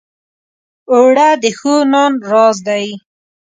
اوړه د ښو نان راز دی